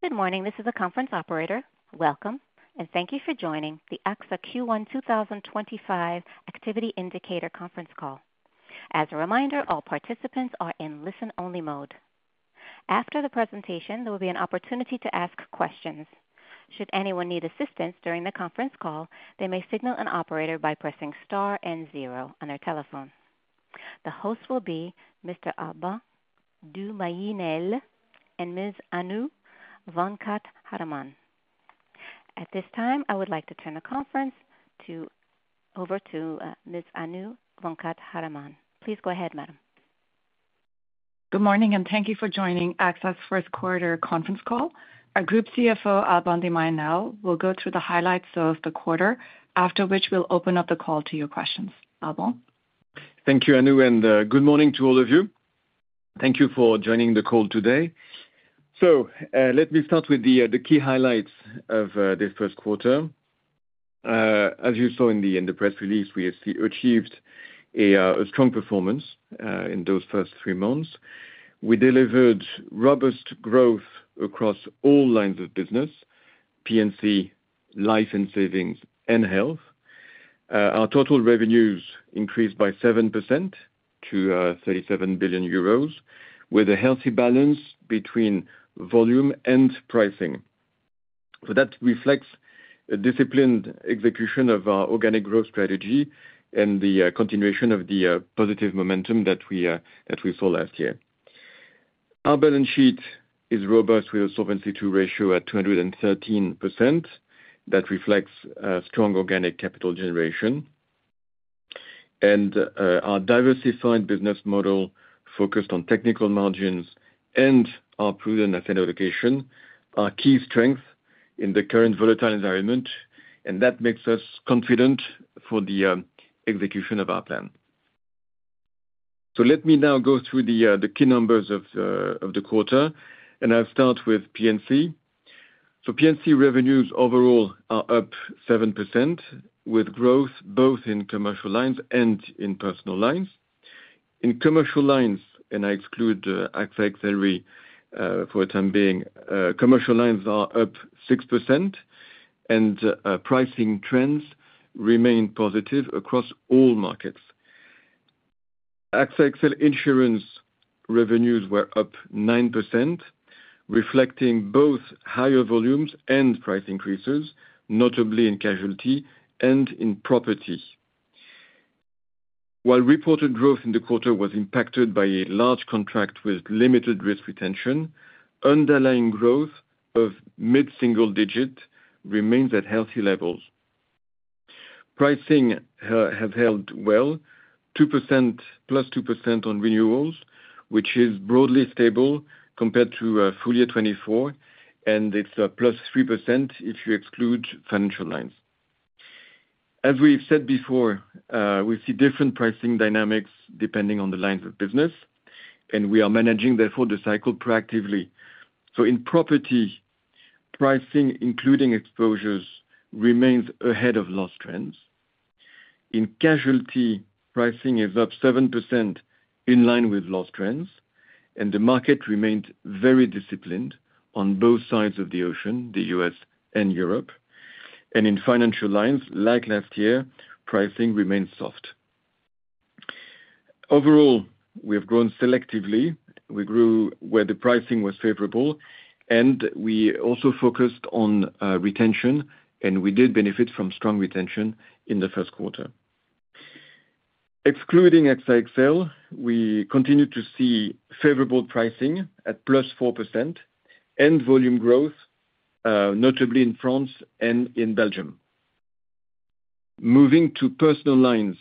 Good morning. This is a conference operator. Welcome, and thank you for joining the AXA Q1 2025 Activity Indicator conference call. As a reminder, all participants are in listen-only mode. After the presentation, there will be an opportunity to ask questions. Should anyone need assistance during the conference call, they may signal an operator by pressing star and zero on their telephone. The host will be Mr. Alban de Mailly and Ms. Anu Venkataraman. At this time, I would like to turn the conference over to Ms. Anu Venkataraman. Please go ahead, madam. Good morning, and thank you for joining AXA's first quarter conference call. Our Group CFO, Alban De Mailly, will go through the highlights of the quarter, after which we'll open up the call to your questions. Alban? Thank you, Anu, and good morning to all of you. Thank you for joining the call today. Let me start with the key highlights of this first quarter. As you saw in the press release, we achieved a strong performance in those first three months. We delivered robust growth across all lines of business: P&C, life and savings, and health. Our total revenues increased by 7% to 37 billion euros, with a healthy balance between volume and pricing. That reflects a disciplined execution of our organic growth strategy and the continuation of the positive momentum that we saw last year. Our balance sheet is robust, with a Solvency II ratio at 213% that reflects strong organic capital generation. Our diversified business model, focused on technical margins and our proven asset allocation, are key strengths in the current volatile environment, and that makes us confident for the execution of our plan. Let me now go through the key numbers of the quarter, and I'll start with P&C. P&C revenues overall are up 7%, with growth both in commercial lines and in personal lines. In commercial lines, and I exclude AXA XL for the time being, commercial lines are up 6%, and pricing trends remain positive across all markets. AXA XL insurance revenues were up 9%, reflecting both higher volumes and price increases, notably in casualty and in property. While reported growth in the quarter was impacted by a large contract with limited risk retention, underlying growth of mid-single digit remains at healthy levels. Pricing has held well, +2% on renewals, which is broadly stable compared to full year 2024, and it's +3% if you exclude financial lines. As we've said before, we see different pricing dynamics depending on the lines of business, and we are managing, therefore, the cycle proactively. In property, pricing, including exposures, remains ahead of loss trends. In casualty, pricing is up 7% in line with loss trends, and the market remained very disciplined on both sides of the ocean, the U.S. and Europe. In financial lines, like last year, pricing remained soft. Overall, we have grown selectively. We grew where the pricing was favorable, and we also focused on retention, and we did benefit from strong retention in the first quarter. Excluding AXA XL, we continue to see favorable pricing at +4% and volume growth, notably in France and in Belgium. Moving to personal lines,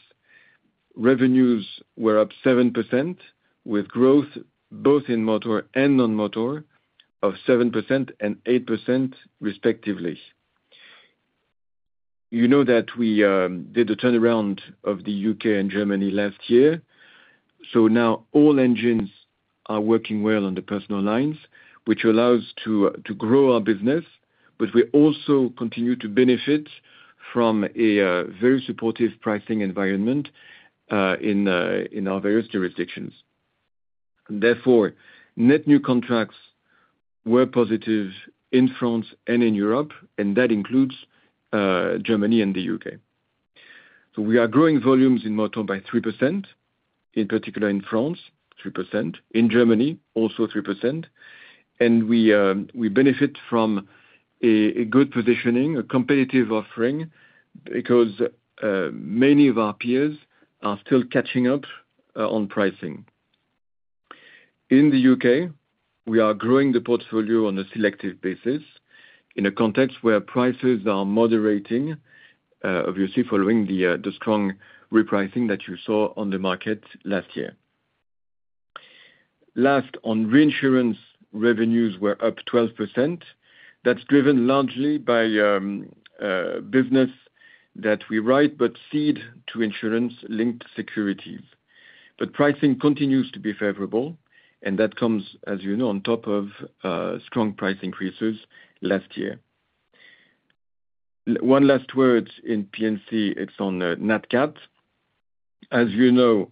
revenues were up 7%, with growth both in motor and non-motor of 7% and 8%, respectively. You know that we did a turnaround of the U.K. and Germany last year. Now all engines are working well on the personal lines, which allows us to grow our business, but we also continue to benefit from a very supportive pricing environment in our various jurisdictions. Therefore, net new contracts were positive in France and in Europe, and that includes Germany and the U.K. We are growing volumes in motor by 3%, in particular in France, 3%, in Germany, also 3%. We benefit from a good positioning, a competitive offering, because many of our peers are still catching up on pricing. In the U.K., we are growing the portfolio on a selective basis in a context where prices are moderating, obviously following the strong repricing that you saw on the market last year. Last, on reinsurance, revenues were up 12%. That's driven largely by business that we write but cede to insurance-linked securities. Pricing continues to be favorable, and that comes, as you know, on top of strong price increases last year. One last word in P&C, it's on NatCat. As you know,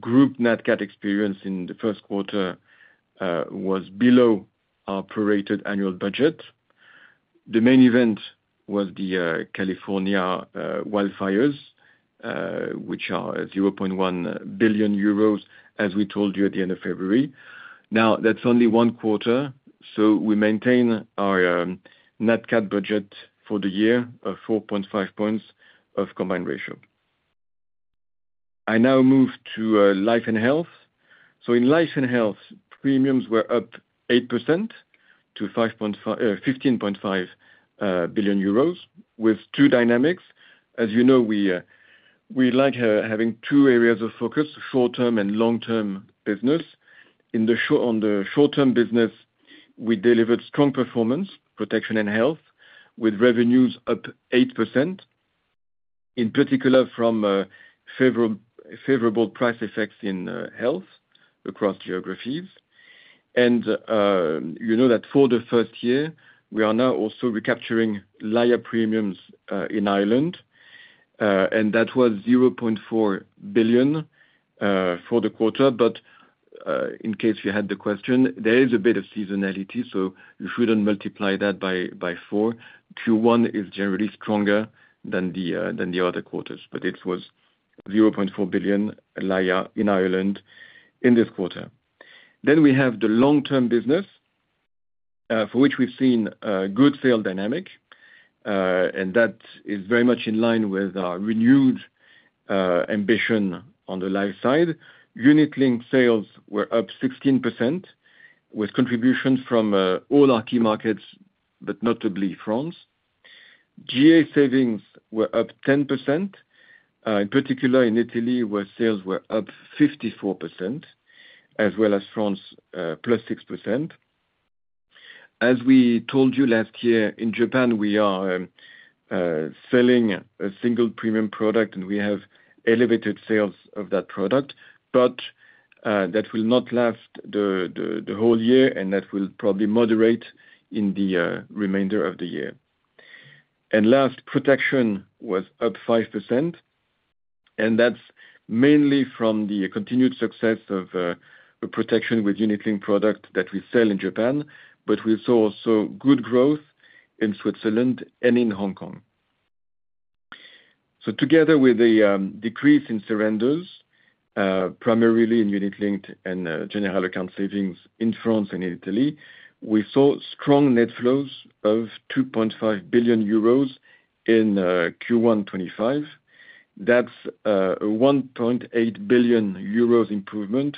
group NatCat experience in the first quarter was below our prorated annual budget. The main event was the California wildfires, which are 0.1 billion euros, as we told you at the end of February. Now, that's only one quarter, so we maintain our NatCat budget for the year of 4.5 points of combined ratio. I now move to life and health. In life and health, premiums were up 8% to 15.5 billion euros, with two dynamics. As you know, we like having two areas of focus: short-term and long-term business. In the short-term business, we delivered strong performance, protection, and health, with revenues up 8%, in particular from favorable price effects in health across geographies. You know that for the first year, we are now also recapturing layer premiums in Ireland, and that was 0.4 billion for the quarter. In case you had the question, there is a bit of seasonality, so you shouldn't multiply that by four. Q1 is generally stronger than the other quarters, but it was 0.4 billion in Ireland in this quarter. We have the long-term business, for which we've seen a good sales dynamic, and that is very much in line with our renewed ambition on the life side. Unit-linked sales were up 16%, with contributions from all our key markets, but notably France. GA savings were up 10%, in particular in Italy, where sales were up 54%, as well as France, +6%. As we told you last year, in Japan, we are selling a single premium product, and we have elevated sales of that product, but that will not last the whole year, and that will probably moderate in the remainder of the year. Last, protection was up 5%, and that's mainly from the continued success of protection with unit-linked products that we sell in Japan, but we saw also good growth in Switzerland and in Hong Kong. Together with the decrease in surrenders, primarily in unit-linked and general account savings in France and in Italy, we saw strong net flows of 2.5 billion euros in Q1 2025. That's a 1.8 billion euros improvement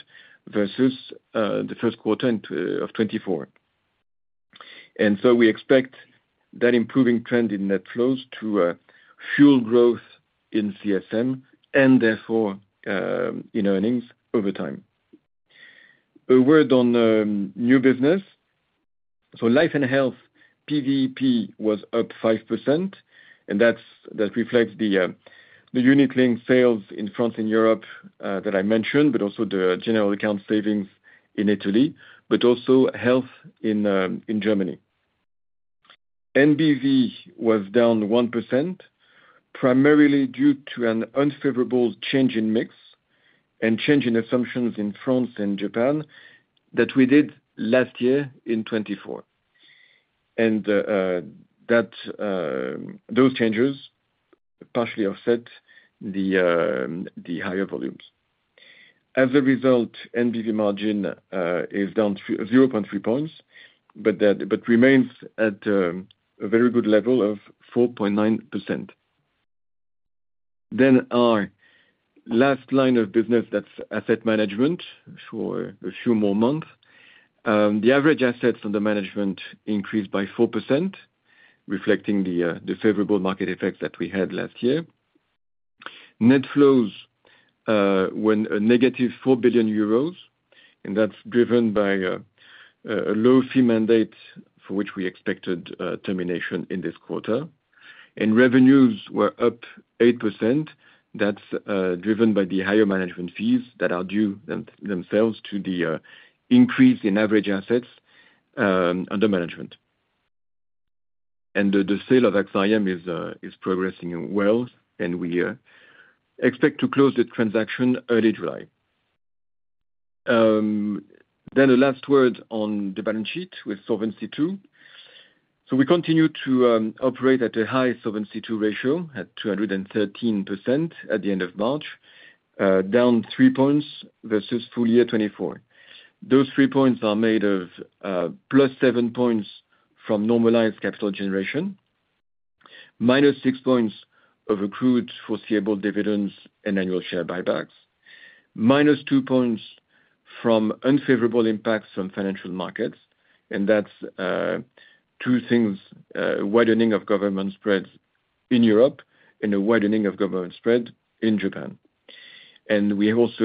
versus the first quarter of 2024. We expect that improving trend in net flows to fuel growth in CSM and therefore in earnings over time. A word on new business. Life and health, PVP was up 5%, and that reflects the unit-linked sales in France and Europe that I mentioned, but also the general account savings in Italy, but also health in Germany. NBV was down 1%, primarily due to an unfavorable change in mix and change in assumptions in France and Japan that we did last year in 2024. Those changes partially offset the higher volumes. As a result, NBV margin is down 0.3 points, but remains at a very good level of 4.9%. Our last line of business, that's asset management for a few more months. The average assets under management increased by 4%, reflecting the favorable market effects that we had last year. Net flows were -4 billion euros, and that's driven by a low fee mandate for which we expected termination in this quarter. Revenues were up 8%. That's driven by the higher management fees that are due themselves to the increase in average assets under management. The sale of AXA IM is progressing well, and we expect to close the transaction early July. The last word on the balance sheet with Solvency II. We continue to operate at a high Solvency II ratio at 213% at the end of March, down 3 points versus full year 2024. Those 3 points are made of +7 points from normalized capital generation, -6 points of accrued foreseeable dividends and annual share buybacks, -2 points from unfavorable impacts from financial markets. That's two things: a widening of government spreads in Europe and a widening of government spreads in Japan. We have also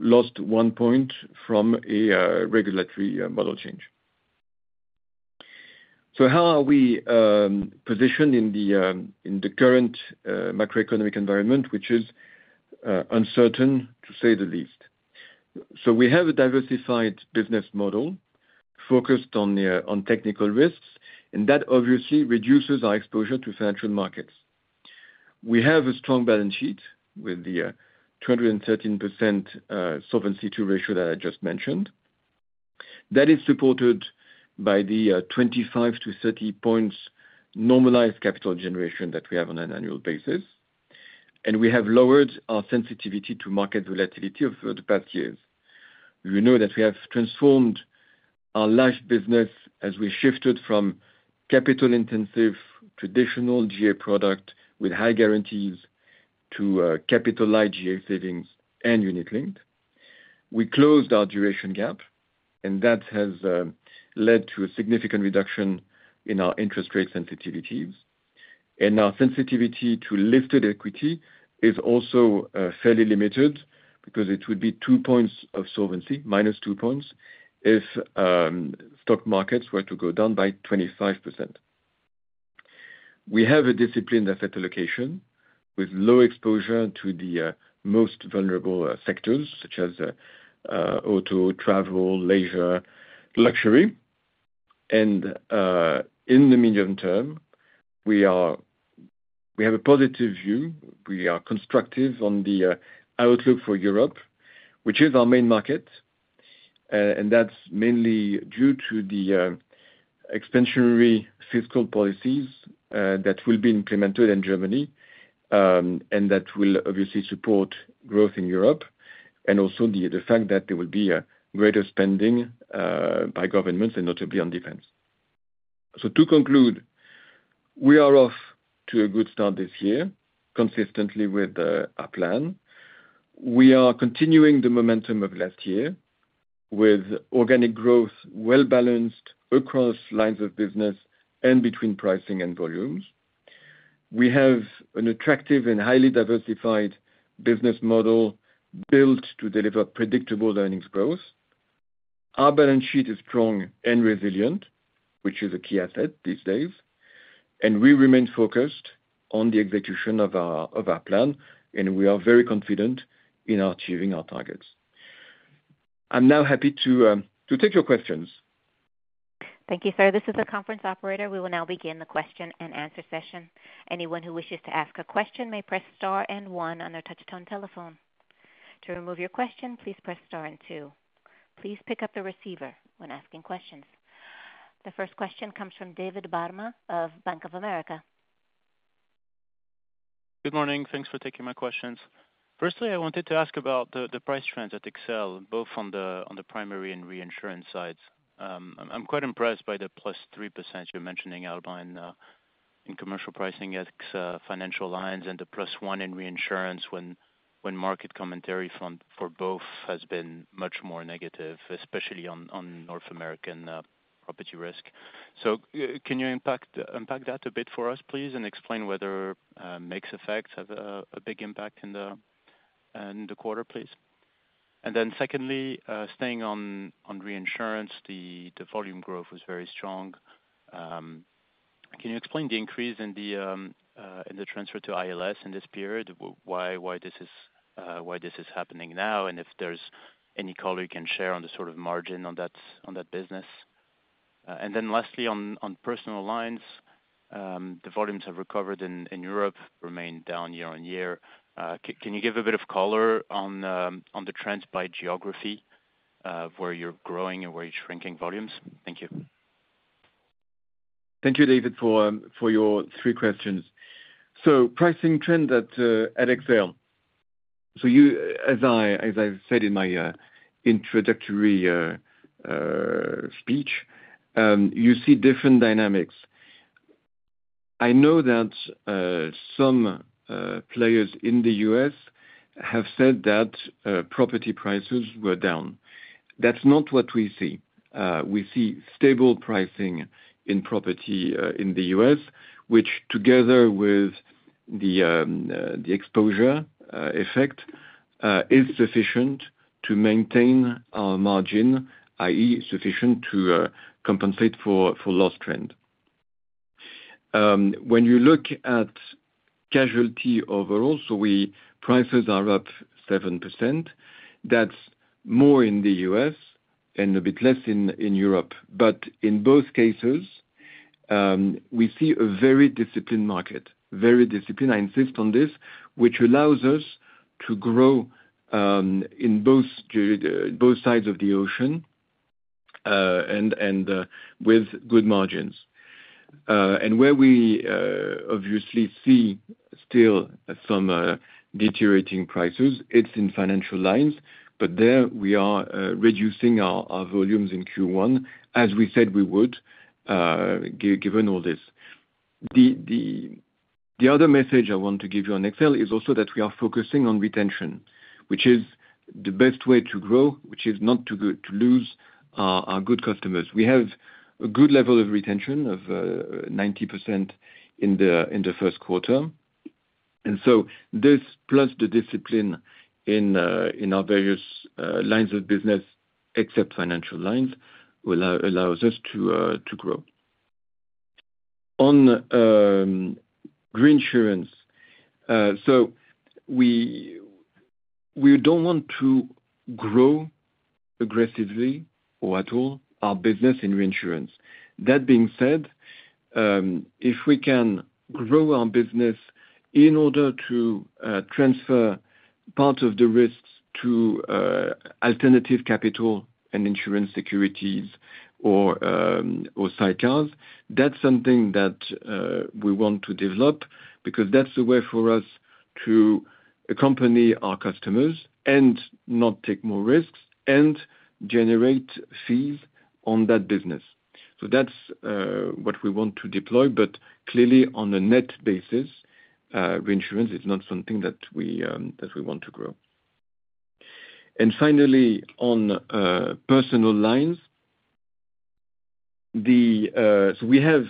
lost 1 point from a regulatory model change. How are we positioned in the current macroeconomic environment, which is uncertain, to say the least? We have a diversified business model focused on technical risks, and that obviously reduces our exposure to financial markets. We have a strong balance sheet with the 213% Solvency II ratio that I just mentioned. That is supported by the 25-30 points normalized capital generation that we have on an annual basis. We have lowered our sensitivity to market volatility over the past years. You know that we have transformed our life business as we shifted from capital-intensive traditional GA product with high guarantees to capital-light GA savings and unit-linked. We closed our duration gap, and that has led to a significant reduction in our interest rate sensitivities. Our sensitivity to lifted equity is also fairly limited because it would be 2 points of solvency, minus 2 points, if stock markets were to go down by 25%. We have a disciplined asset allocation with low exposure to the most vulnerable sectors, such as auto, travel, leisure, luxury. In the medium term, we have a positive view. We are constructive on the outlook for Europe, which is our main market. That is mainly due to the expansionary fiscal policies that will be implemented in Germany and that will obviously support growth in Europe, and also the fact that there will be greater spending by governments and notably on defense. To conclude, we are off to a good start this year, consistently with our plan. We are continuing the momentum of last year with organic growth, well-balanced across lines of business and between pricing and volumes. We have an attractive and highly diversified business model built to deliver predictable earnings growth. Our balance sheet is strong and resilient, which is a key asset these days. We remain focused on the execution of our plan, and we are very confident in achieving our targets. I'm now happy to take your questions. Thank you, sir. This is the conference operator. We will now begin the question and answer session. Anyone who wishes to ask a question may press star and one on their touch-tone telephone. To remove your question, please press star and two. Please pick up the receiver when asking questions. The first question comes from David Barma of Bank of America. Good morning. Thanks for taking my questions. Firstly, I wanted to ask about the price trends at AXA XL, both on the primary and reinsurance sides. I'm quite impressed by the +3% you're mentioning outline in commercial pricing at financial lines and the +1% in reinsurance when market commentary for both has been much more negative, especially on North American property risk. Can you unpack that a bit for us, please, and explain whether mixed effects have a big impact in the quarter, please? Secondly, staying on reinsurance, the volume growth was very strong. Can you explain the increase in the transfer to ILS in this period, why this is happening now, and if there's any color you can share on the sort of margin on that business? Lastly, on personal lines, the volumes have recovered in Europe, remained down year on year. Can you give a bit of color on the trends by geography, where you're growing and where you're shrinking volumes? Thank you. Thank you, David, for your three questions. Pricing trend at AXA XL. As I said in my introductory speech, you see different dynamics. I know that some players in the U.S. have said that property prices were down. That is not what we see. We see stable pricing in property in the U.S., which together with the exposure effect is sufficient to maintain our margin, i.e., sufficient to compensate for loss trend. When you look at casualty overall, prices are up 7%. That is more in the U.S. and a bit less in Europe. In both cases, we see a very disciplined market, very disciplined, I insist on this, which allows us to grow in both sides of the ocean and with good margins. Where we obviously see still some deteriorating prices is in financial lines, but there we are reducing our volumes in Q1, as we said we would, given all this. The other message I want to give you on AXA XL is also that we are focusing on retention, which is the best way to grow, which is not to lose our good customers. We have a good level of retention of 90% in the first quarter. This, plus the discipline in our various lines of business, except financial lines, allows us to grow. On reinsurance, we do not want to grow aggressively or at all our business in reinsurance. That being said, if we can grow our business in order to transfer part of the risks to alternative capital and insurance-linked securities or side cars, that's something that we want to develop because that's the way for us to accompany our customers and not take more risks and generate fees on that business. That's what we want to deploy, but clearly on a net basis, reinsurance is not something that we want to grow. Finally, on personal lines, we have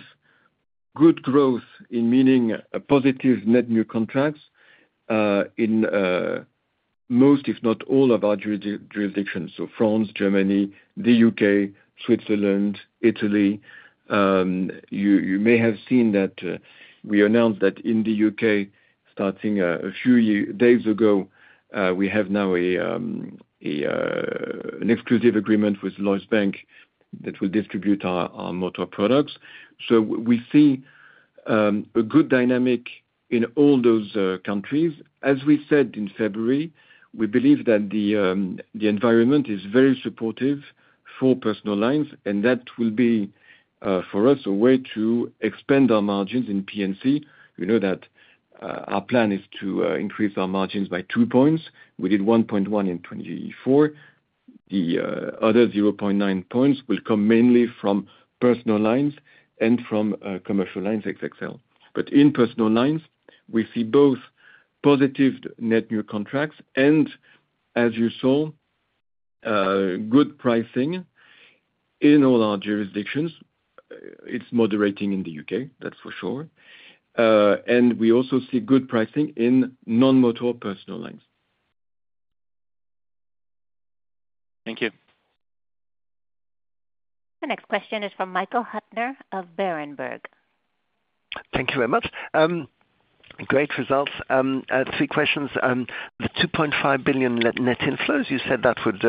good growth in meaning positive net-new contracts in most, if not all, of our jurisdictions. France, Germany, the U.K., Switzerland, Italy. You may have seen that we announced that in the U.K., starting a few days ago, we have now an exclusive agreement with Lloyds Bank that will distribute our motor products. We see a good dynamic in all those countries. As we said in February, we believe that the environment is very supportive for personal lines, and that will be for us a way to expand our margins in P&C. You know that our plan is to increase our margins by 2 points. We did 1.1 points in 2024. The other 0.9 points will come mainly from personal lines and from commercial lines, AXA XL. In personal lines, we see both positive net-new contracts and, as you saw, good pricing in all our jurisdictions. It's moderating in the U.K., that's for sure. We also see good pricing in non-motor personal lines. Thank you. The next question is from Michael Huttner of Berenberg. Thank you very much. Great results. Three questions. The 2.5 billion net inflows, you said that would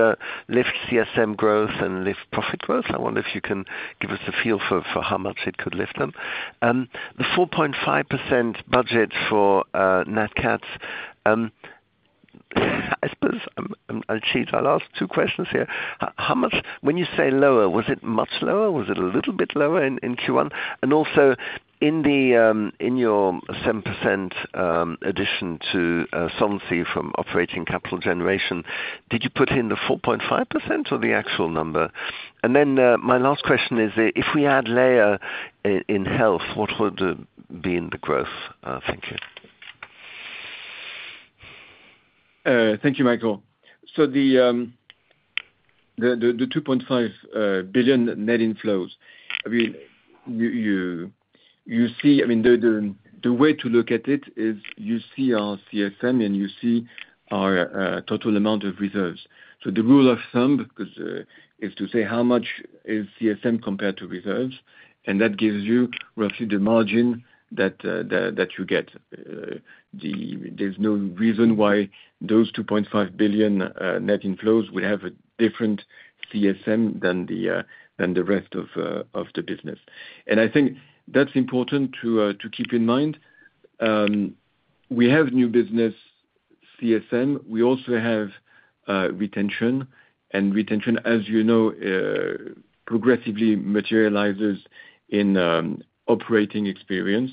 lift CSM growth and lift profit growth. I wonder if you can give us a feel for how much it could lift them. The 4.5% budget for NatCat, I suppose I'll cheat. I'll ask two questions here. When you say lower, was it much lower? Was it a little bit lower in Q1? Also, in your 7% addition to Solvency from operating capital generation, did you put in the 4.5% or the actual number? My last question is, if we add layer in health, what would be in the growth? Thank you. Thank you, Michael. The 2.5 billion net inflows, I mean, you see, the way to look at it is you see our CSM and you see our total amount of reserves. The rule of thumb is to say how much is CSM compared to reserves, and that gives you roughly the margin that you get. There's no reason why those 2.5 billion net inflows would have a different CSM than the rest of the business. I think that's important to keep in mind. We have new business CSM. We also have retention. Retention, as you know, progressively materializes in operating experience,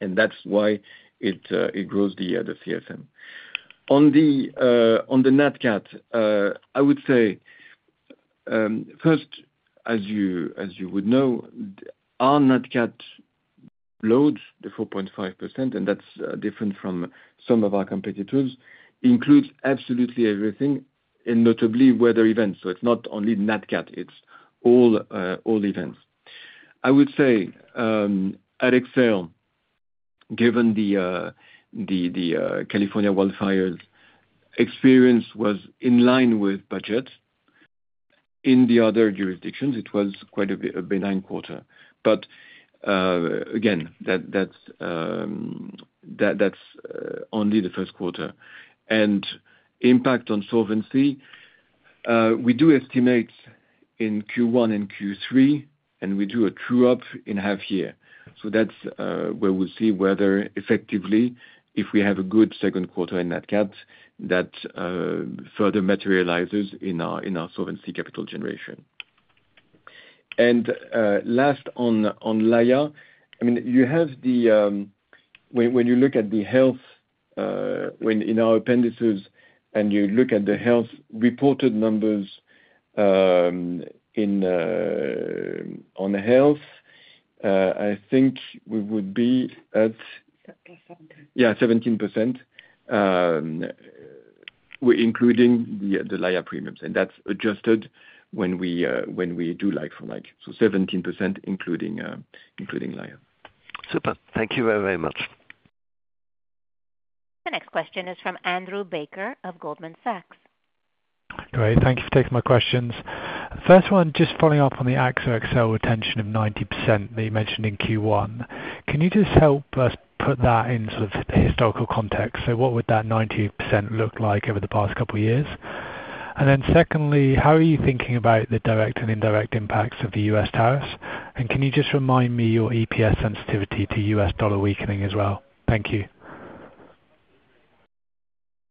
and that's why it grows the CSM. On the NatCat, I would say, first, as you would know, our NatCat loads, the 4.5%, and that's different from some of our competitors, includes absolutely everything, and notably weather events. It's not only NatCat. It's all events. I would say at AXA XL, given the California wildfires, experience was in line with budget. In the other jurisdictions, it was quite a benign quarter. Again, that's only the first quarter. Impact on Solvency, we do estimate in Q1 and Q3, and we do a true-up in half-year. That's where we'll see whether effectively, if we have a good second quarter in NatCat, that further materializes in our solvency capital generation. Last on layer, I mean, when you look at the health, when in our appendices, and you look at the health reported numbers on health, I think we would be at 17% including the layer premiums. That's adjusted when we do like-for-like. So 17% including layer. Super. Thank you very, very much. The next question is from Andrew Baker of Goldman Sachs. Great. Thank you for taking my questions. First one, just following up on the AXA XL retention of 90% that you mentioned in Q1. Can you just help us put that in sort of historical context? What would that 90% look like over the past couple of years? Then secondly, how are you thinking about the direct and indirect impacts of the U.S. tariffs? Can you just remind me your EPS sensitivity to U.S. dollar weakening as well? Thank you.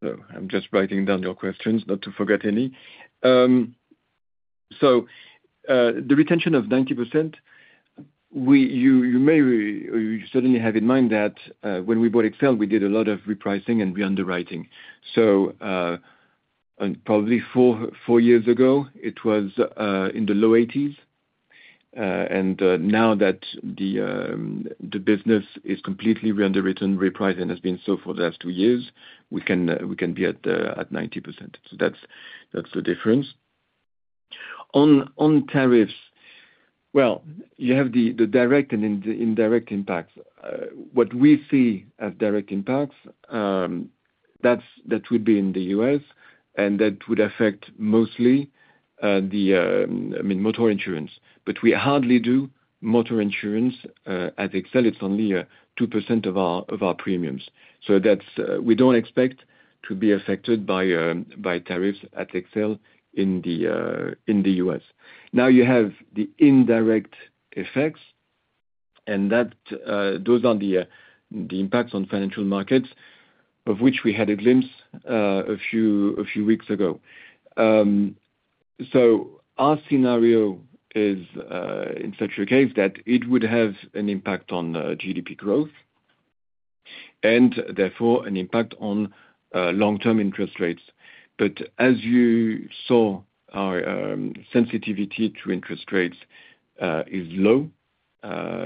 I'm just writing down your questions, not to forget any. The retention of 90%, you certainly have in mind that when we bought AXA XL, we did a lot of repricing and re-underwriting. Probably four years ago, it was in the low 80s. Now that the business is completely re-underwritten, repriced and has been so for the last two years, we can be at 90%. That's the difference. On tariffs, you have the direct and indirect impacts. What we see as direct impacts, that would be in the U.S., and that would affect mostly the, I mean, motor insurance. We hardly do motor insurance at AXA XL. It's only 2% of our premiums. We don't expect to be affected by tariffs at AXA XL in the US. Now you have the indirect effects, and those are the impacts on financial markets, of which we had a glimpse a few weeks ago. Our scenario is, in such a case, that it would have an impact on GDP growth and therefore an impact on long-term interest rates. As you saw, our sensitivity to interest rates is low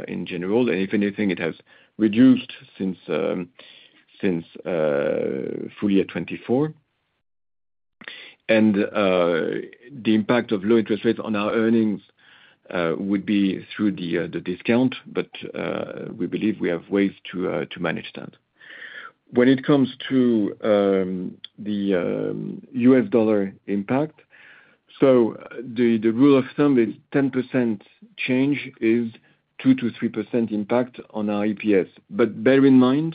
in general. If anything, it has reduced since full year 2024. The impact of low interest rates on our earnings would be through the discount, but we believe we have ways to manage that. When it comes to the U.S. dollar impact, the rule of thumb is 10% change is 2%-3% impact on our EPS. But bear in mind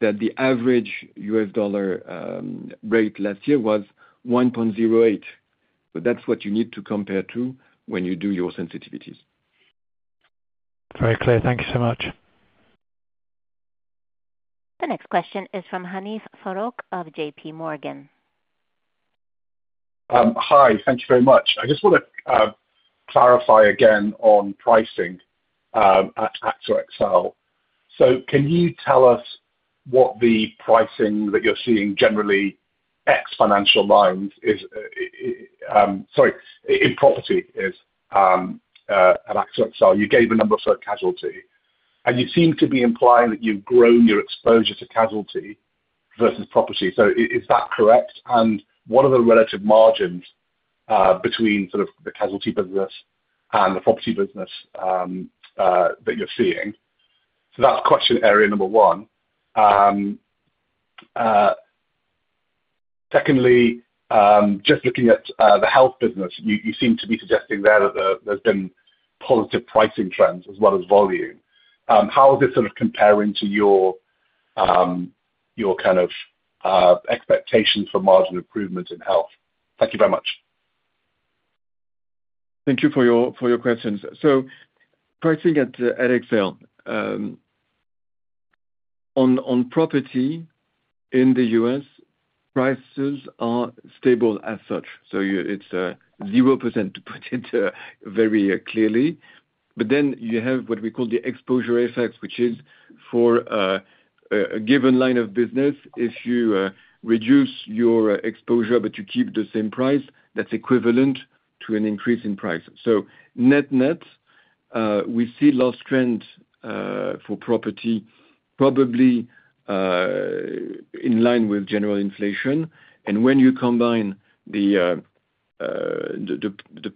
that the average US dollar rate last year was 1.08. So that's what you need to compare to when you do your sensitivities. Very clear. Thank you so much. The next question is from Hanif Farooq of JPMorgan. Hi. Thank you very much. I just want to clarify again on pricing at AXA XL. Can you tell us what the pricing that you're seeing generally ex financial lines is, sorry, in property is at AXA XL? You gave a number for casualty. You seem to be implying that you've grown your exposure to casualty versus property. Is that correct? What are the relative margins between sort of the casualty business and the property business that you're seeing? That's question area number one. Secondly, just looking at the health business, you seem to be suggesting there that there's been positive pricing trends as well as volume. How is this sort of comparing to your kind of expectations for margin improvement in health? Thank you very much. Thank you for your questions. Pricing at AXA XL, on property in the U.S., prices are stable as such. It is 0%, to put it very clearly. You have what we call the exposure effect, which is for a given line of business, if you reduce your exposure but you keep the same price, that is equivalent to an increase in price. Net-net, we see loss trend for property probably in line with general inflation. When you combine the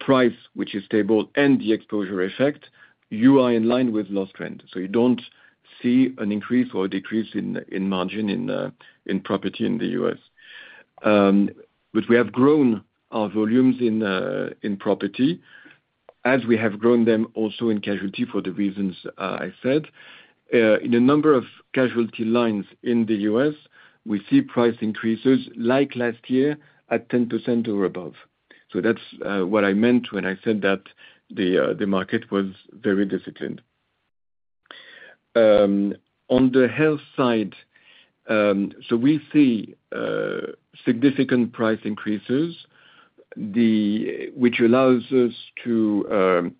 price, which is stable, and the exposure effect, you are in line with loss trend. You do not see an increase or a decrease in margin in property in the U.S. We have grown our volumes in property as we have grown them also in casualty for the reasons I said. In a number of casualty lines in the U.S., we see price increases like last year at 10% or above. That is what I meant when I said that the market was very disciplined. On the health side, we see significant price increases, which allows us to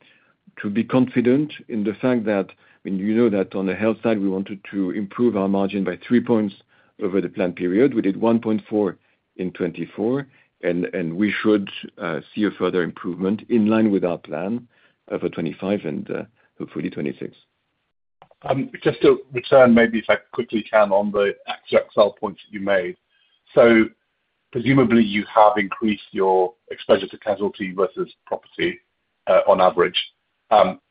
be confident in the fact that, I mean, you know that on the health side, we wanted to improve our margin by 3 points over the planned period. We did 1.4 points in 2024, and we should see a further improvement in line with our plan over 2025 and hopefully 2026. Just to return maybe, if I quickly can, on the AXA XL points that you made. Presumably, you have increased your exposure to casualty versus property on average.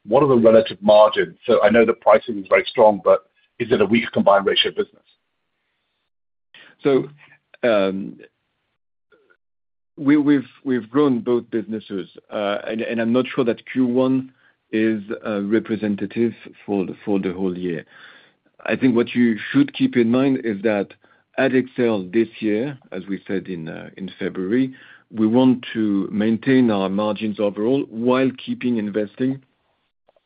What are the relative margins? I know the pricing is very strong, but is it a weak combined ratio business? We have grown both businesses, and I'm not sure that Q1 is representative for the whole year. I think what you should keep in mind is that at AXA XL this year, as we said in February, we want to maintain our margins overall while keeping investing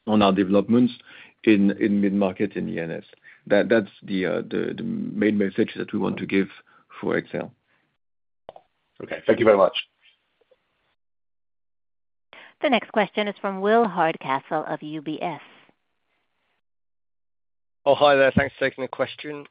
on our developments in mid-market in the NS. That's the main message that we want to give for AXA XL. Okay. Thank you very much. The next question is from Will Hardcastle of UBS. Oh, hi there. Thanks for taking the question.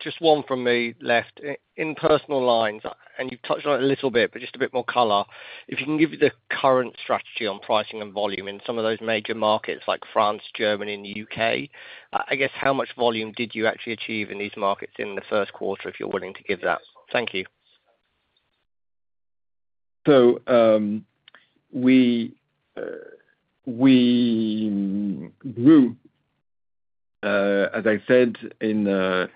Just one from me left. In personal lines, and you've touched on it a little bit, but just a bit more color. If you can give the current strategy on pricing and volume in some of those major markets like France, Germany, and the U.K., I guess how much volume did you actually achieve in these markets in the first quarter if you're willing to give that? Thank you. We grew, as I said, in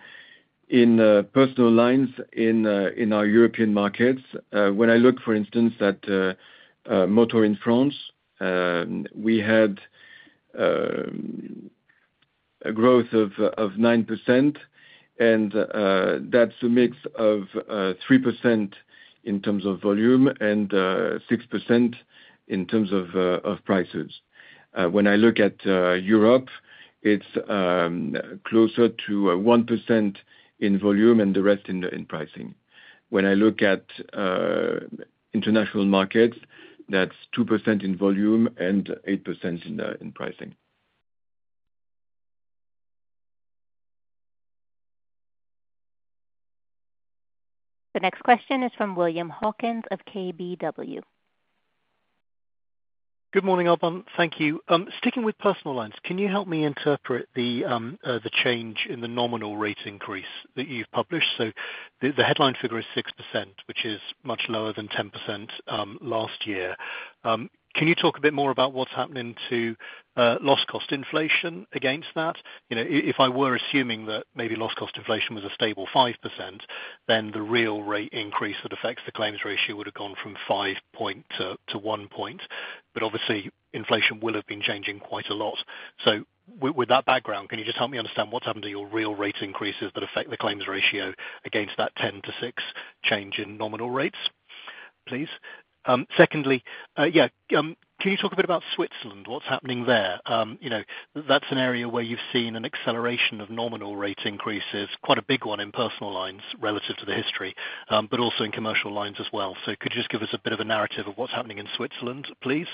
personal lines in our European markets. When I look, for instance, at motor in France, we had a growth of 9%, and that's a mix of 3% in terms of volume and 6% in terms of prices. When I look at Europe, it's closer to 1% in volume and the rest in pricing. When I look at international markets, that's 2% in volume and 8% in pricing. The next question is from William Hawkins of KBW. Good morning, Alban. Thank you. Sticking with personal lines, can you help me interpret the change in the nominal rate increase that you've published? The headline figure is 6%, which is much lower than 10% last year. Can you talk a bit more about what's happening to loss-cost inflation against that? If I were assuming that maybe loss-cost inflation was a stable 5%, then the real rate increase that affects the claims ratio would have gone from 5 points to 1 point. Obviously, inflation will have been changing quite a lot. With that background, can you just help me understand what's happened to your real rate increases that affect the claims ratio against that 10-6 change in nominal rates, please? Secondly, can you talk a bit about Switzerland? What's happening there? That's an area where you've seen an acceleration of nominal rate increases, quite a big one in personal lines relative to the history, but also in commercial lines as well. Could you just give us a bit of a narrative of what's happening in Switzerland, please?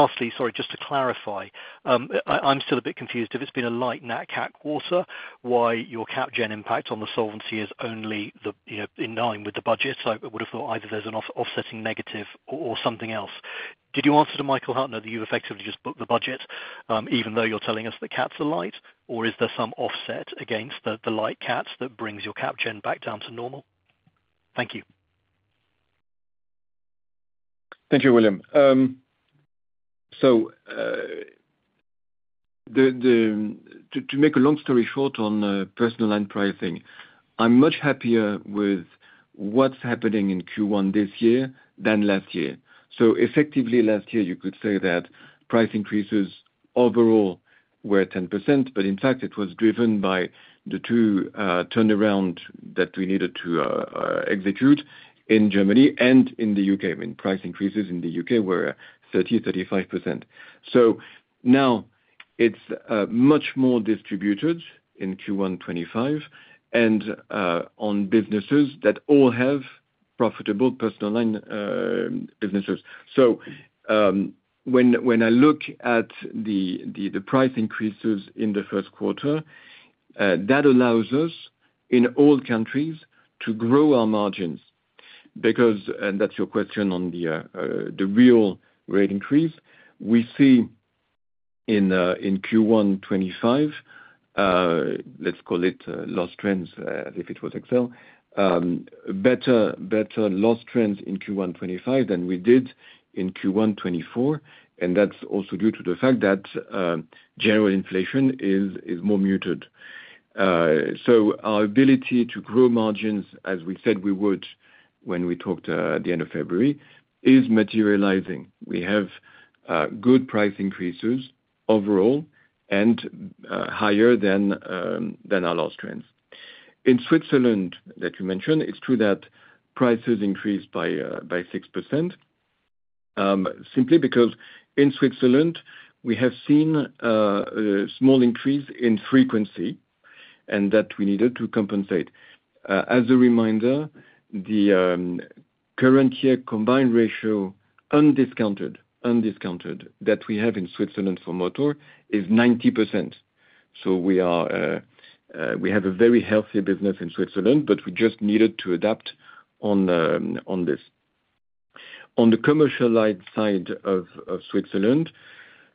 Lastly, sorry, just to clarify, I'm still a bit confused. If it's been a light NatCat quarter, why your cap gen impact on the solvency is only in line with the budget? I would have thought either there's an offsetting negative or something else. Did you answer to Michael Huttner that you've effectively just booked the budget even though you're telling us the caps are light? Or is there some offset against the light caps that brings your cap gen back down to normal? Thank you. Thank you, William. To make a long story short on personal line pricing, I'm much happier with what's happening in Q1 this year than last year. Effectively, last year, you could say that price increases overall were 10%, but in fact, it was driven by the two turnarounds that we needed to execute in Germany and in the U.K. I mean, price increases in the U.K. were 30%-35%. Now it's much more distributed in Q1 2025 and on businesses that all have profitable personal line businesses. When I look at the price increases in the first quarter, that allows us in all countries to grow our margins. Because, and that's your question on the real rate increase, we see in Q1 2025, let's call it loss trends as if it was AXA XL, better loss trends in Q1 2025 than we did in Q1 2024. That is also due to the fact that general inflation is more muted. Our ability to grow margins, as we said we would when we talked at the end of February, is materializing. We have good price increases overall and higher than our loss trends. In Switzerland that you mentioned, it is true that prices increased by 6% simply because in Switzerland, we have seen a small increase in frequency and that we needed to compensate. As a reminder, the current year combined ratio undiscounted that we have in Switzerland for motor is 90%. We have a very healthy business in Switzerland, but we just needed to adapt on this. On the commercial side of Switzerland,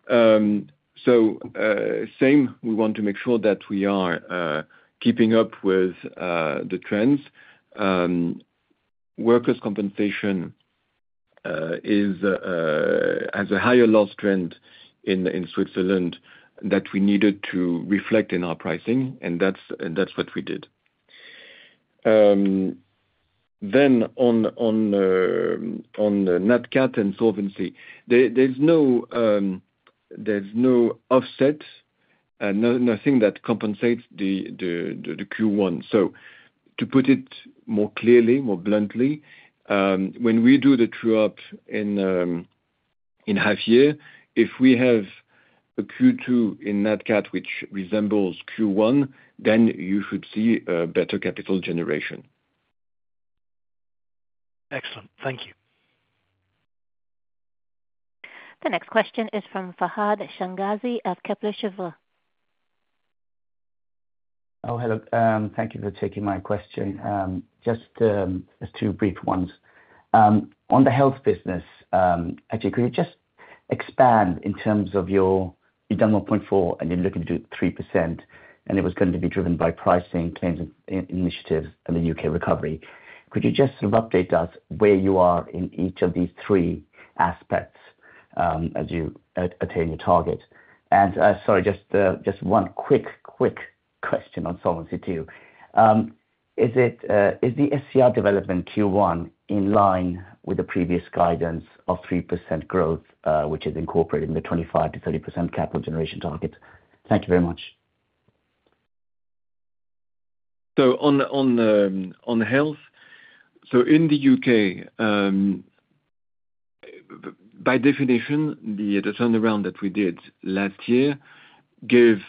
same, we want to make sure that we are keeping up with the trends. Workers' compensation has a higher loss trend in Switzerland that we needed to reflect in our pricing, and that's what we did. On NatCat and Solvency, there's no offset, nothing that compensates the Q1. To put it more clearly, more bluntly, when we do the true-up in half year, if we have a Q2 in NatCat which resembles Q1, you should see better capital generation. Excellent. Thank you. The next question is from Fahad Changazi of Kepler Cheuvreux. Oh, hello. Thank you for taking my question. Just two brief ones. On the health business, actually, could you just expand in terms of your you've done 1.4% and you're looking to do 3%, and it was going to be driven by pricing, claims initiatives, and the U.K. recovery. Could you just sort of update us where you are in each of these three aspects as you attain your target? Sorry, just one quick question on Solvency too. Is the SCR development Q1 in line with the previous guidance of 3% growth, which is incorporating the 25%-30% capital generation target? Thank you very much. On health, in the U.K., by definition, the turnaround that we did last year gave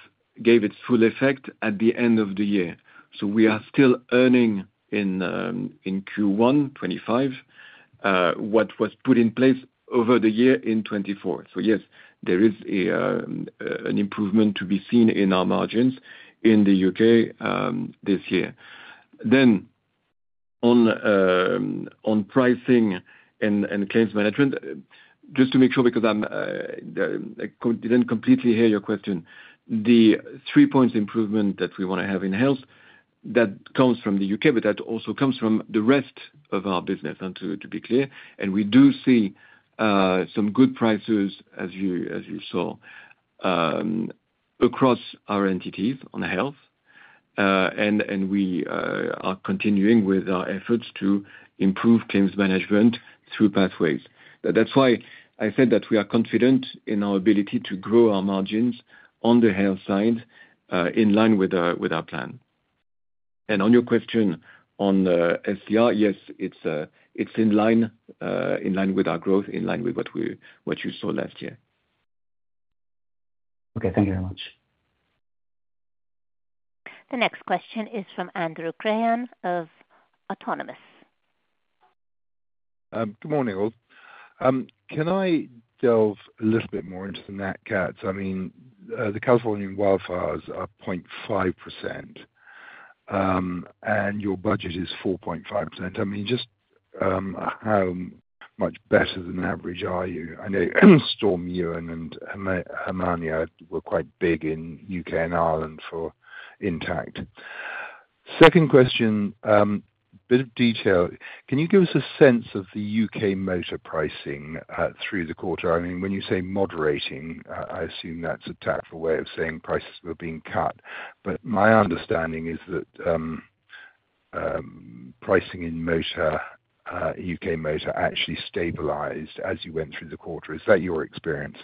its full effect at the end of the year. We are still earning in Q1 2025 what was put in place over the year in 2024. Yes, there is an improvement to be seen in our margins in the U.K. this year. On pricing and claims management, just to make sure because I did not completely hear your question, the 3 point improvement that we want to have in health, that comes from the U.K., but that also comes from the rest of our business, to be clear. We do see some good prices, as you saw, across our entities on health. We are continuing with our efforts to improve claims management through pathways. That is why I said that we are confident in our ability to grow our margins on the health side in line with our plan. On your question on SCR, yes, it is in line with our growth, in line with what you saw last year. Thank you very much. The next question is from Andrew Crean of Autonomous. Good morning, all. Can I delve a little bit more into the NatCats? I mean, the California wildfires are 0.5%, and your budget is 4.5%. I mean, just how much better than average are you? I know [storm] and Germania were quite big in the U.K. and Ireland for intact. Second question, a bit of detail. Can you give us a sense of the U.K. motor pricing through the quarter? I mean, when you say moderating, I assume that's a tactful way of saying prices were being cut. But my understanding is that pricing in U.K. motor actually stabilized as you went through the quarter. Is that your experience?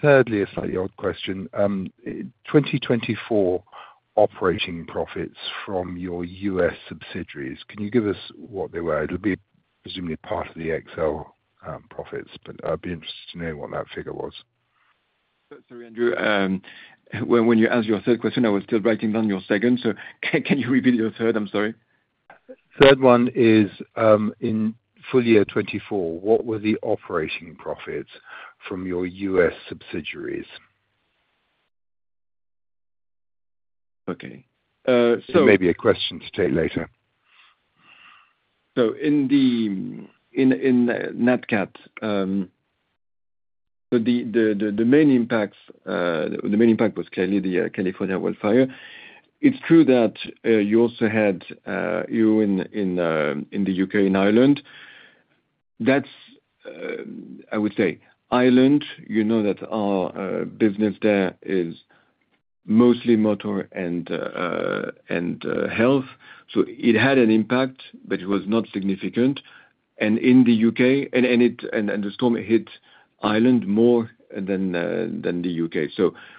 Thirdly, a slightly odd question. 2024 operating profits from your U.S. subsidiaries, can you give us what they were? It'll be presumably part of the AXA XL profits, but I'd be interested to know what that figure was. Sorry, Andrew. As your third question, I was still writing down your second. Can you repeat your third? I'm sorry. Third one is in full year 2024, what were the operating profits from your U.S. subsidiaries? Okay. Maybe a question to take later. In NatCat, the main impact was clearly the California wildfire. It's true that you also had you in the U.K. and Ireland. I would say Ireland, you know that our business there is mostly motor and health. It had an impact, but it was not significant. In the U.K., the storm hit Ireland more than the U.K.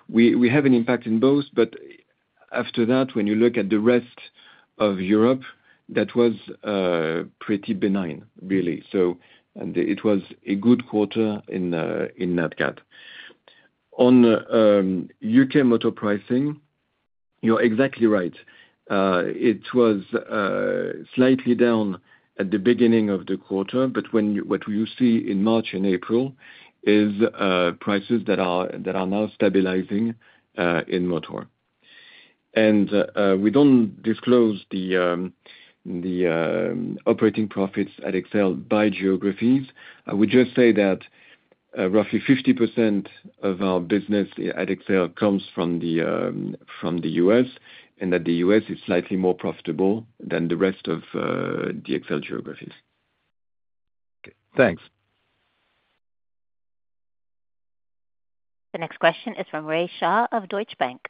We have an impact in both. After that, when you look at the rest of Europe, that was pretty benign, really. It was a good quarter in NatCat. On U.K. motor pricing, you're exactly right. It was slightly down at the beginning of the quarter, but what you see in March and April is prices that are now stabilizing in motor. We do not disclose the operating profits at AXA XL by geographies. I would just say that roughly 50% of our business at AXA XL comes from the U.S. and that the U.S. is slightly more profitable than the rest of the AXA XL geographies. Okay. Thanks. The next question is from Rhea Shah of Deutsche Bank.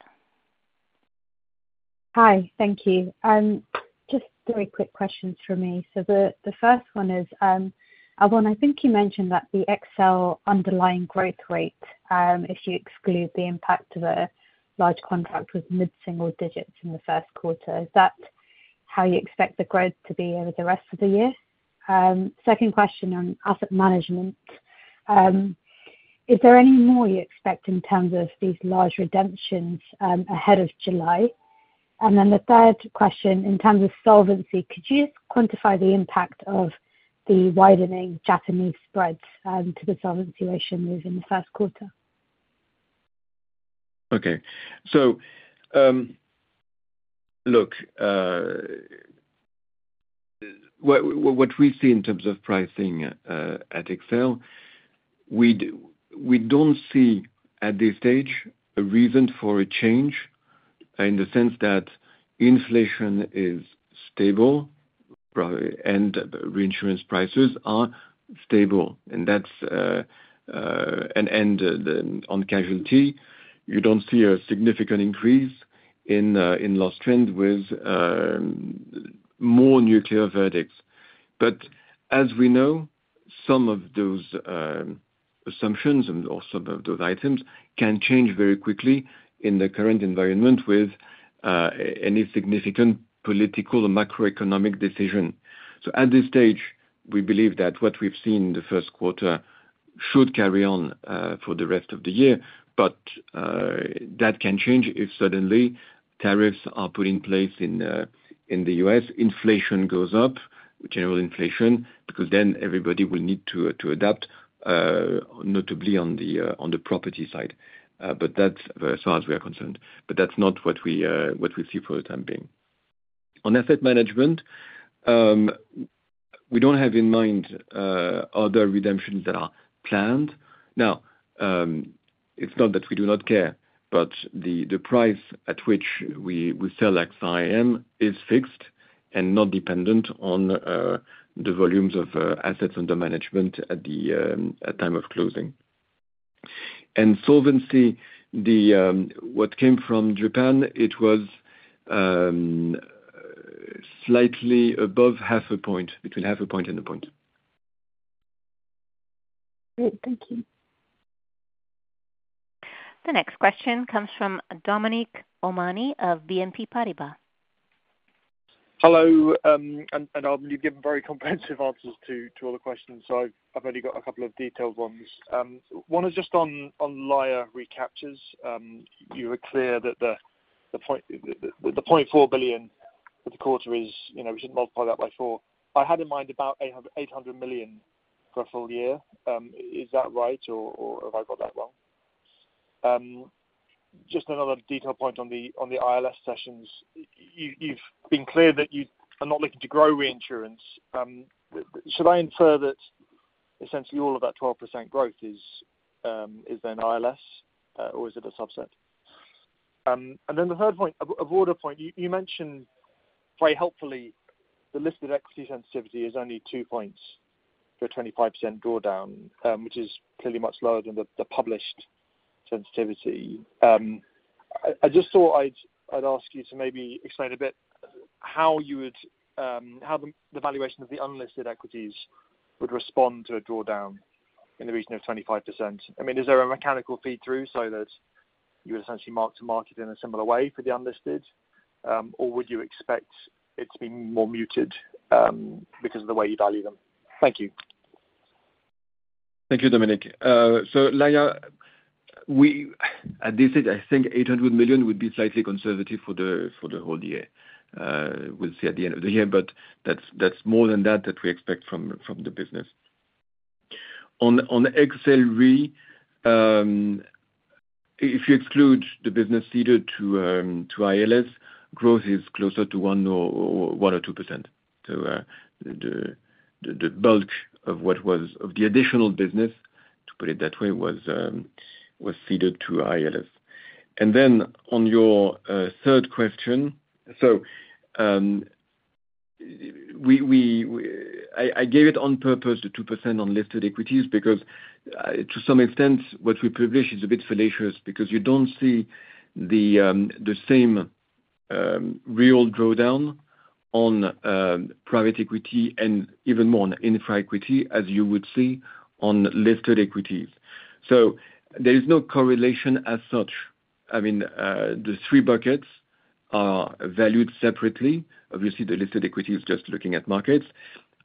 Hi. Thank you. Just three quick questions for me. The first one is, Alban, I think you mentioned that the AXA XL underlying growth rate, if you exclude the impact of a large contract, was mid-single digits in the first quarter. Is that how you expect the growth to be over the rest of the year? Second question on asset management. Is there any more you expect in terms of these large redemptions ahead of July? Then the third question, in terms of Solvency, could you quantify the impact of the widening Japanese spreads to the solvency ratio move in the first quarter? Okay. Look, what we see in terms of pricing at AXA XL, we do not see at this stage a reason for a change in the sense that inflation is stable and reinsurance prices are stable. On casualty, you do not see a significant increase in loss trends with more nuclear verdicts. As we know, some of those assumptions and also some of those items can change very quickly in the current environment with any significant political or macroeconomic decision. At this stage, we believe that what we have seen in the first quarter should carry on for the rest of the year. That can change if suddenly tariffs are put in place in the U.S., inflation goes up, general inflation, because then everybody will need to adapt, notably on the property side. That is as far as we are concerned. That is not what we see for the time being. On asset management, we do not have in mind other redemptions that are planned. It is not that we do not care, but the price at which we sell AXA IM is fixed and not dependent on the volumes of assets under management at the time of closing. On Solvency, what came from Japan, it was slightly above half a point, between half a point and a point. Great. Thank you. The next question comes from Dominic O'Mahony of BNP Paribas. Hello. Alban, you have given very comprehensive answers to all the questions, so I have only got a couple of detailed ones. One is just on layer recaptures. You were clear that the 0.4 billion for the quarter is we shouldn't multiply that by four. I had in mind about 800 million for a full year. Is that right, or have I got that wrong? Just another detailed point on the ILS sessions. You've been clear that you are not looking to grow reinsurance. Should I infer that essentially all of that 12% growth is then ILS, or is it a subset? The third point, a broader point, you mentioned very helpfully the listed equity sensitivity is only 2 points for a 25% drawdown, which is clearly much lower than the published sensitivity. I just thought I'd ask you to maybe explain a bit how the valuation of the unlisted equities would respond to a drawdown in the region of 25%. I mean, is there a mechanical feed-through so that you would essentially mark to market in a similar way for the unlisted, or would you expect it to be more muted because of the way you value them? Thank you. Thank you, Dominic. So, at this stage, I think 800 million would be slightly conservative for the whole year. We'll see at the end of the year, but that's more than that that we expect from the business. On AXA XL Re, if you exclude the business ceded to ILS, growth is closer to 1% or 2%. The bulk of the additional business, to put it that way, was ceded to ILS. On your third question, I gave it on purpose, the 2% on listed equities, because to some extent, what we publish is a bit fallacious because you do not see the same real drawdown on private equity and even more on infra equity as you would see on listed equities. There is no correlation as such. I mean, the three buckets are valued separately. Obviously, the listed equity is just looking at markets.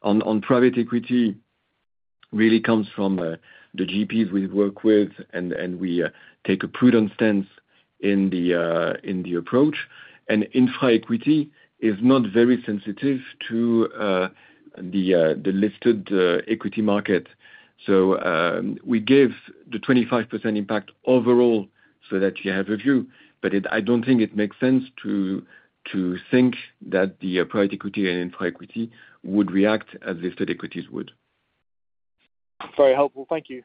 On private equity, it really comes from the GPs we work with, and we take a prudent stance in the approach. Infra equity is not very sensitive to the listed equity market. We gave the 25% impact overall so that you have a view. I do not think it makes sense to think that the private equity and infra equity would react as listed equities would. Very helpful. Thank you.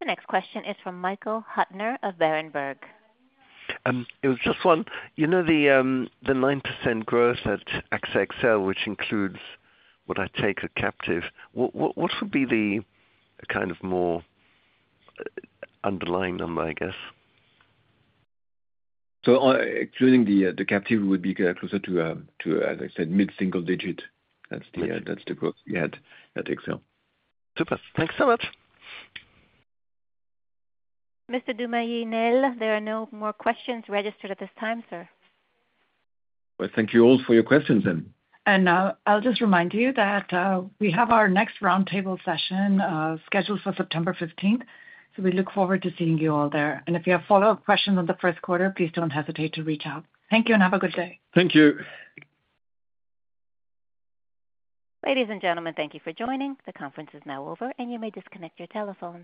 The next question is from Michael Huttner of Berenberg. It was just one. The 9% growth at AXA XL, which includes what I take as captive, what would be the kind of more underlying number, I guess? Including the captive would be closer to, as I said, mid-single digit. That's the growth we had at AXA XL. Super. Thanks so much. Mr. de Mailly Nesle, there are no more questions registered at this time, sir. Thank you all for your questions then. I'll just remind you that we have our next roundtable session scheduled for September 15th. We look forward to seeing you all there. If you have follow-up questions on the first quarter, please do not hesitate to reach out. Thank you and have a good day. Thank you. Ladies and gentlemen, thank you for joining. The conference is now over, and you may disconnect your telephone.